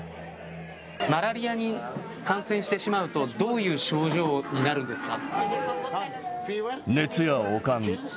マラリアに感染してしまうとどういう症状になるんですか。